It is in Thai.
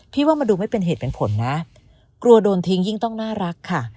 ว่ามันดูไม่เป็นเหตุเป็นผลนะกลัวโดนทิ้งยิ่งต้องน่ารักค่ะ